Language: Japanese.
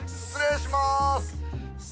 失礼します！